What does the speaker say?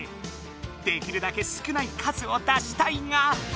できるだけ少ない数を出したいが。